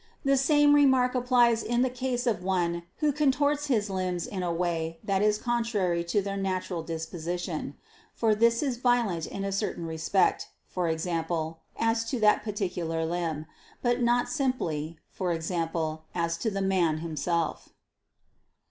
The same remark applies in the case of one who contorts his limbs in a way that is contrary to their natural disposition. For this is violent in a certain respect, i.e. as to that particular limb; but not simply, i.e. as to the man himself.